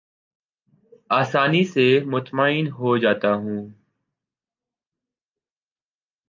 آسانی سے مطمئن ہو جاتا ہوں